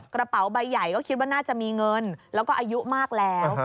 กระเป๋าใบใหญ่ก็คิดว่าน่าจะมีเงินแล้วก็อายุมากแล้ว